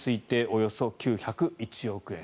およそ９０１億円。